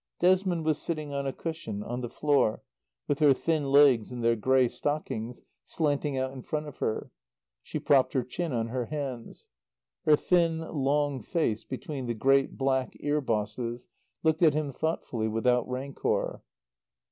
Desmond was sitting on a cushion, on the floor, with her thin legs in their grey stockings slanting out in front of her. She propped her chin on her hands. Her thin, long face, between the great black ear bosses, looked at him thoughtfully, without rancour.